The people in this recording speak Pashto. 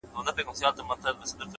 دې لېوني ماحول کي ووايه؛ پر چا مئين يم،